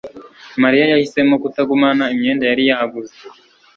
mariya yahisemo kutagumana imyenda yari yaguze